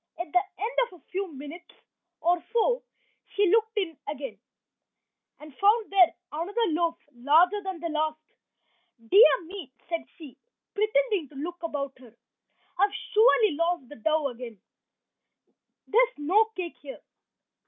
At the end of a few minutes or so she looked in again, and found there another loaf, larger than the last. "Dear me," said she, pretending to look about her, "I have surely lost the dough again. There's no cake here."